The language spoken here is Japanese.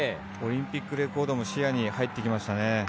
オリンピックレコードも視野に入ってきましたね。